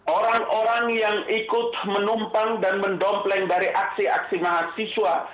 orang orang yang ikut menumpang dan mendompleng dari aksi aksi mahasiswa